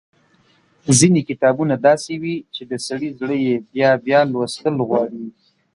ځينې کتابونه داسې وي چې د سړي زړه يې بيا بيا لوستل غواړي۔